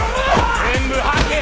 全部吐け！